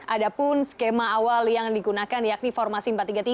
ada pun skema awal yang digunakan yakni formasi empat tiga tiga